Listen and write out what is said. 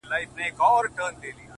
که غچيدله زنده گي په هغه ورځ درځم،